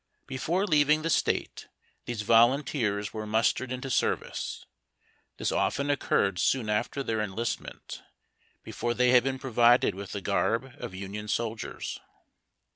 Before leaving the State these volunteers were mustered into service. This often occurred soon after their enlistment, before they had been provided with the garb of Union soldiers.